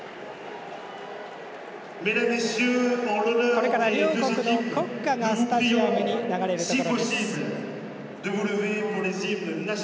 これから両国の国歌がスタジアムに流れるところです。